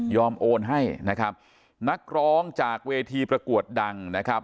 โอนให้นะครับนักร้องจากเวทีประกวดดังนะครับ